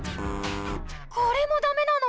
これもダメなの？